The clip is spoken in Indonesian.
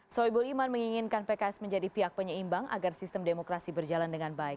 soebul iman menginginkan pks menjadi pihak penyeimbang agar sistem demokrasi berjalan dengan baik